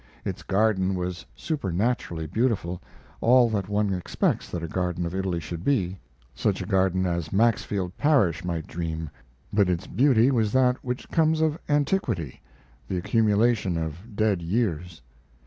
Its garden was supernaturally beautiful, all that one expects that a garden of Italy should be such a garden as Maxfield Parrish might dream; but its beauty was that which comes of antiquity the accumulation of dead years.